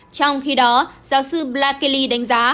trong khi đó giáo sư paul kelly đánh giá